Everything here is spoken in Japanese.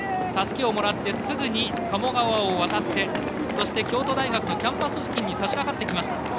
たすきをもらってすぐに鴨川を渡ってそして、京都大学のキャンパス付近にさしかかってきました。